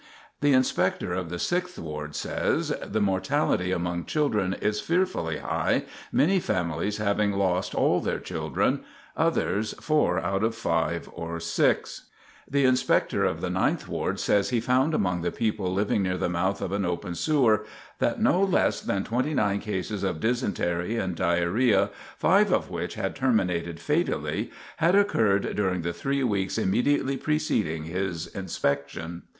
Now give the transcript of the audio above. The Inspector of the Sixth Ward says: "The mortality among children is fearfully high, many families having lost all their children; others four out of five or six." [Sidenote: Living at a Sewer's Mouth] [Illustration: PLAN OF MONROE STREET FEVER NEST, 1865] The Inspector of the Ninth Ward says he found among the people living near the mouth of an open sewer: "That no less than twenty nine cases of dysentery and diarrhoea, five of which had terminated fatally, had occurred during the three weeks immediately preceding his inspection."